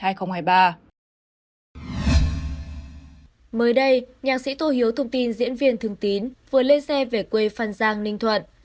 mới đây nhạc sĩ tổ hiếu thương tín diễn viên thương tín vừa lên xe về quê phan giang ninh thuận